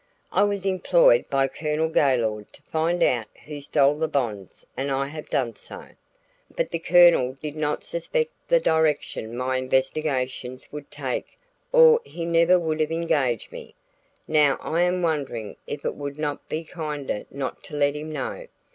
I was employed by Colonel Gaylord to find out who stole the bonds and I have done so. But the Colonel did not suspect the direction my investigations would take or he never would have engaged me. Now I am wondering if it would not be kinder not to let him know?